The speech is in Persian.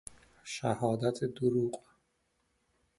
شهادت دروغ